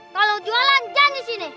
kalau jualan jangan disini